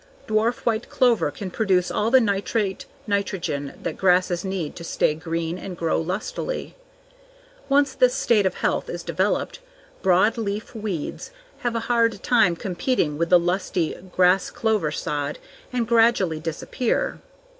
Dwarf white clover can produce all the nitrate nitrogen that grasses need to stay green and grow lustily. Once this state of health is developed, broadleaf weeds have a hard time competing with the lusty grass/clover sod and gradually disappear.